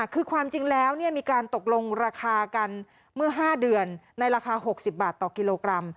คือความจริงแล้วมีการตกลงราคากันเมื่อ๕เดือนในราคา๖๐บาทต่อกิโลกรัม